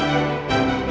r langga permadi